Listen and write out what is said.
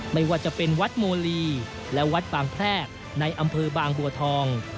ไม่ว่าจะเป็นวัดโมลีและวัดบางแพรกในอำเภอบางบัวทอง